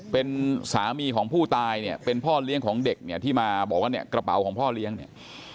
เป็นสามีของผู้ตายเนี่ยเป็นพ่อเลี้ยงของเด็กเนี่ยที่มาบอกว่าเนี่ยกระเป๋าของพ่อเลี้ยงเนี่ย